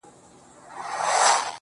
هغې ويل ه ځه درځه چي کلي ته ځو.